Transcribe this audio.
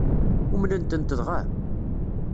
Umnen-tent dɣa?